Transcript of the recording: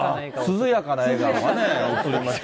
涼やかな笑顔がうつりまして。